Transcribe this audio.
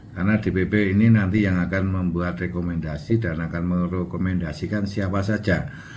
karena dpp ini nanti yang akan membuat rekomendasi dan akan merekomendasikan siapa saja